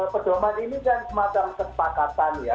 pedoman ini kan semacam kesepakatan ya